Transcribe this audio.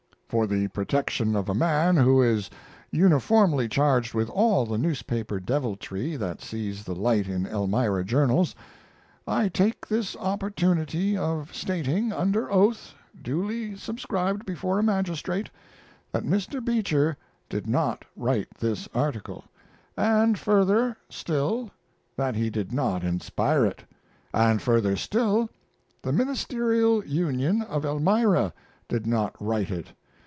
(For the protection of a man who is uniformly charged with all the newspaper deviltry that sees the light in Elmira journals, I take this opportunity of stating, under oath, duly subscribed before a magistrate, that Mr. Beecher did not write this article. And further still, that he did not inspire it. And further still, the Ministerial Union of Elmira did not write it.